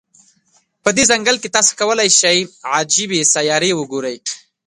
په دې ځنګل کې، تاسو کولای شی عجيبې سیارې وګوری.